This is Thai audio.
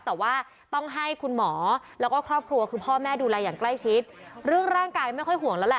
แต่ว่าต้องให้คุณหมอแล้วก็ครอบครัวคือพ่อแม่ดูแลอย่างใกล้ชิดเรื่องร่างกายไม่ค่อยห่วงแล้วแหละ